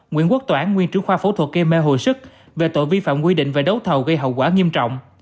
nguyễn quốc toản nguyên trưởng khoa phổ thuật km hồ sức về tội vi phạm quy định về đấu thầu gây hậu quả nghiêm trọng